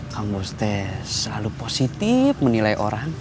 kamu bos teh selalu positif menilai orang